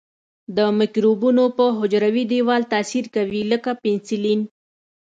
د مکروبونو په حجروي دیوال تاثیر کوي لکه پنسلین.